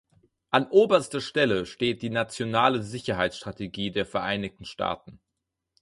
An oberster Stelle steht die Nationale Sicherheitsstrategie der Vereinigten Staaten.